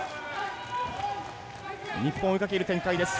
日本追いかける展開です。